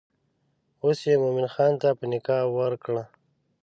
اوس یې مومن خان ته په نکاح ورکړه.